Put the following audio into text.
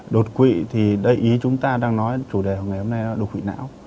đột quỵ thì đầy ý chúng ta đang nói chủ đề hôm nay là đột quỵ não